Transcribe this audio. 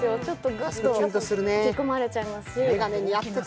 ガッと引き込まれちゃいますし。